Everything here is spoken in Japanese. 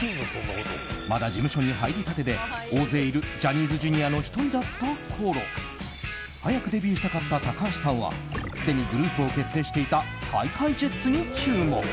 まだ事務所に入りたてで大勢いるジャニーズＪｒ．の１人だったころ早くデビューしたかった高橋さんはすでにグループを結成していたＨｉＨｉＪｅｔｓに注目。